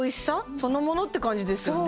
そのものって感じですよね